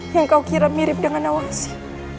yang kau kira mirip dengan nawasi